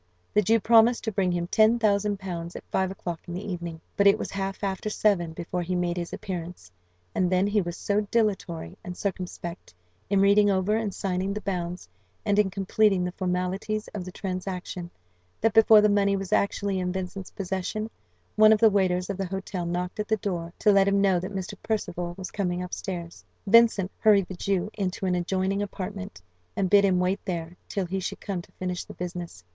The Jew promised to bring him ten thousand pounds at five o'clock in the evening, but it was half after seven before he made his appearance; and then he was so dilatory and circumspect, in reading over and signing the bonds, and in completing the formalities of the transaction, that before the money was actually in Vincent's possession, one of the waiters of the hotel knocked at the door to let him know that Mr. Percival was coming up stairs. Vincent hurried the Jew into an adjoining apartment, and bid him wait there, till he should come to finish the business.